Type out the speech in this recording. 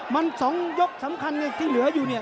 มันสองยกสำคัญที่เหลืออยู่เนี่ย